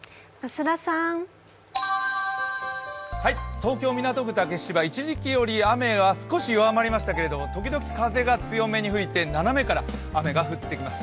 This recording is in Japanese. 東京・港区竹芝、一時期より雨は少し弱まりましたけど、時々風が強めに吹いて斜めから雨が降ってきます。